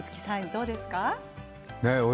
どうですか。